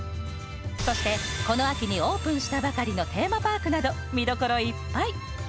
そして、この秋にオープンしたばかりのテーマパークなど見どころいっぱい！